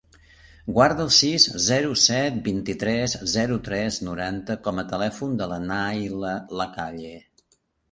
Guarda el sis, zero, set, vint-i-tres, zero, tres, noranta com a telèfon de la Nayla Lacalle.